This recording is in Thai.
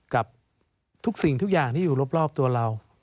กับทุกสิ่งทุกอย่างที่อยู่รอบตัวเรา